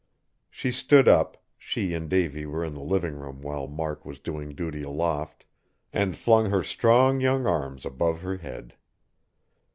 She stood up she and Davy were in the living room, while Mark was doing duty aloft and flung her strong, young arms above her head.